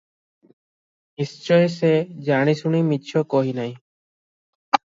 ନିଶ୍ଚୟ ସେ ଜାଣିଶୁଣି ମିଛ କହି ନାହିଁ ।